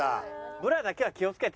ブラだけは気を付けて。